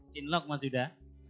cinlok mas yuda